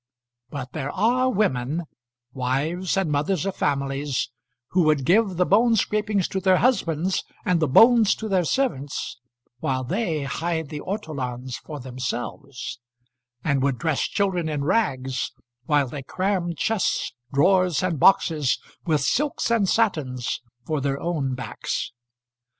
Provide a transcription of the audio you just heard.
But there are women, wives and mothers of families, who would give the bone scrapings to their husbands and the bones to their servants, while they hide the ortolans for themselves; and would dress children in rags, while they cram chests, drawers, and boxes with silks and satins for their own backs.